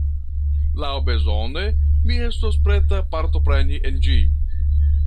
Laŭbezone mi estos preta partopreni en ĝi.